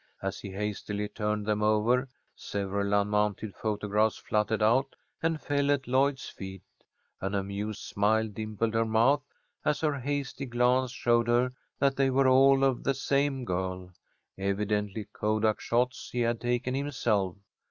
As he hastily turned them over, several unmounted photographs fluttered out and fell at Lloyd's feet. An amused smile dimpled her mouth as her hasty glance showed her that they were all of the same girl, evidently kodak shots he had taken himself.